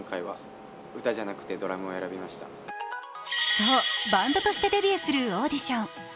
そう、バンドとしてデビューするオーディション。